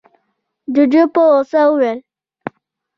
جُوجُو په غوسه وويل: